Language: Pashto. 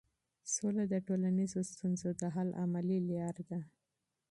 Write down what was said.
سوله د ټولنیزو ستونزو د حل عملي لار ده.